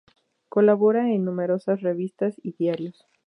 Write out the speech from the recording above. Colabora en numerosas revistas y diarios.